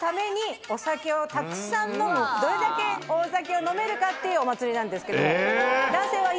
どれだけ大酒を飲めるかっていうお祭りなんですけども。